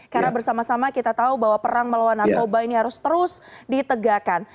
karena bersama sama kita tahu bahwa perang melawan narkoba ini harus terus ditegakkan